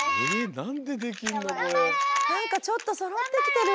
なんかちょっとそろってきてる！